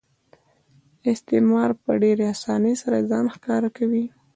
استثمار په ډېرې اسانۍ سره ځان ښکاره کوي